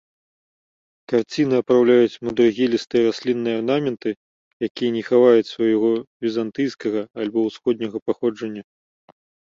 Карціны апраўляюць мудрагелістыя раслінныя арнаменты, якія не хаваюць свайго візантыйскага або ўсходняга паходжання.